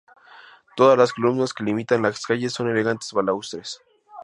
Todas las columnas que limitan las calles son elegantes balaustres.